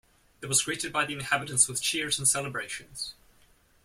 It was greeted by the inhabitants with cheers and celebrations.